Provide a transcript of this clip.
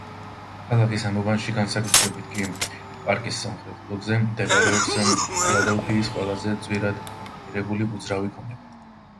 ქალაქის ამ უბანში, განსაკუთრებით კი პარკის სამხრეთ ბლოკზე მდებარეობს ფილადელფიის ყველაზე ძვირადღირებული უძრავი ქონება.